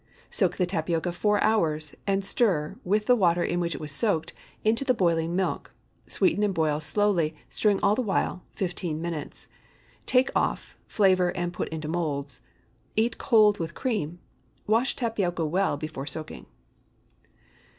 Soak the tapioca four hours, and stir, with the water in which it was soaked, into the boiling milk. Sweeten and boil slowly, stirring all the while, fifteen minutes. Take off, flavor and pour into moulds. Eat cold with cream. Wash tapioca well before soaking.